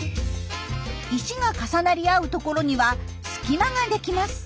石が重なり合うところには隙間が出来ます。